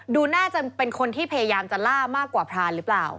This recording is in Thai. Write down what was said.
ดูน่าจะเป็นคนที่พยายามจะล่ามากกว่าพรานหรือเปล่า